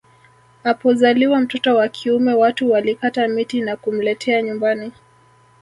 Apozaliwa mtoto wa kiume watu walikata miti na kumletea nyumbani